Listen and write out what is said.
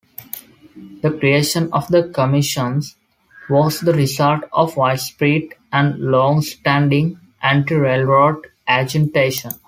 The creation of the commission was the result of widespread and longstanding anti-railroad agitation.